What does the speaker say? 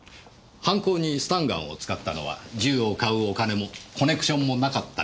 犯行にスタンガンを使ったのは銃を買うお金もコネクションもなかったから。